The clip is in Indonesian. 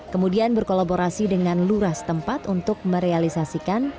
kemudian berkolaborasi dengan lurah setempat untuk merealisasikan